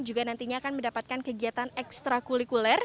juga nantinya akan mendapatkan kegiatan ekstra kulikuler